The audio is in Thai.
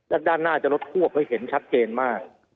และด้านหน้าจะรถควบให้เห็นชัดเจนมาก